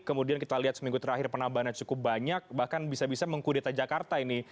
kemudian kita lihat seminggu terakhir penambahannya cukup banyak bahkan bisa bisa mengkudeta jakarta ini